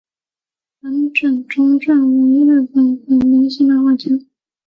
藤卷忠俊为日本的男性漫画家。